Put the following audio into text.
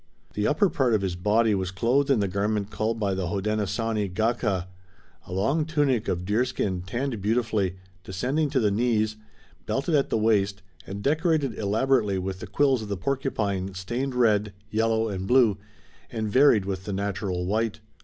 The upper part of his body was clothed in the garment called by the Hodenosaunee gakaah, a long tunic of deerskin tanned beautifully, descending to the knees, belted at the waist, and decorated elaborately with the quills of the porcupine, stained red, yellow and blue and varied with the natural white.